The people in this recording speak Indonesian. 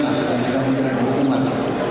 dan sedang menjadi hukuman